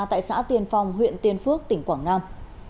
tại xã tiên phong huyện tiên phước tỉnh quảng nam